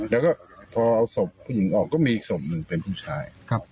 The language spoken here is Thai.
แล้วก็พอเอาศพผู้หญิงออกก็มีอีกศพหนึ่งเป็นผู้ชาย